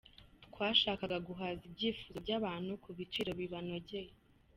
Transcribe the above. Twashakaga guhaza ibyifuzo by’abantu ku biciro bibanogeye.